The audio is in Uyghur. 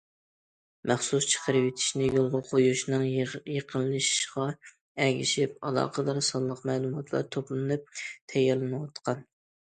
مەخسۇس چىقىرىۋېتىشنى يولغا قويۇشنىڭ يېقىنلىشىشىغا ئەگىشىپ، ئالاقىدار سانلىق مەلۇماتلار توپلىنىپ تەييارلىنىۋاتقان.